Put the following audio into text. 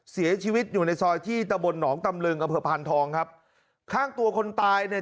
เสียชีวิตอยู่ในซอยที่ตะบลหนองตำลึงอำเภอพานทองครับข้างตัวคนตายเนี่ย